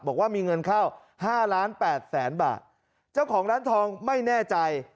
บอกว่ามีเงินเข้าห้าล้านแปดแสนบาทเจ้าของร้านทองไม่แน่ใจ